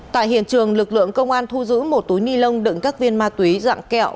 tại hiện trường lực lượng công an thu giữ một túi ni lông đựng các viên ma túy dạng kẹo